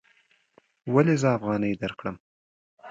ولې زه افغانۍ درکړم؟